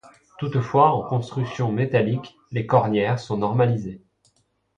Toutefois en construction métallique, les cornières sont normalisées.